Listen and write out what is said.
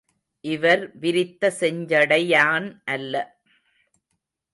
இவர் விரித்த செஞ்சடை யான் அல்ல.